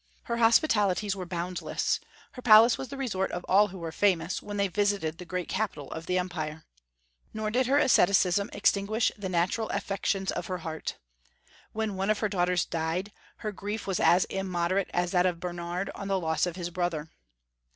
Her hospitalities were boundless; her palace was the resort of all who were famous, when they visited the great capital of the empire. Nor did her asceticism extinguish the natural affections of her heart. When one of her daughters died, her grief was as immoderate as that of Bernard on the loss of his brother.